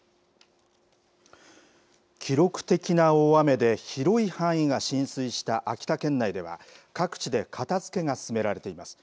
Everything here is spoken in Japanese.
記録的な大雨で広い範囲が浸水した秋田県内では、各地で片づけが進められています。